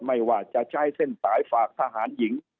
ไม่ว่าจะใช้เส้นสายฝากทหารหญิง